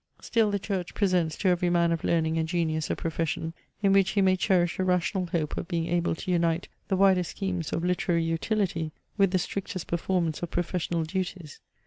Still the Church presents to every man of learning and genius a profession, in which he may cherish a rational hope of being able to unite the widest schemes of literary utility with the strictest performance of professional duties.